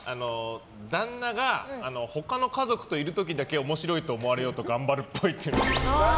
旦那が他の家族といる時だけ面白いと思われようと頑張るっぽい。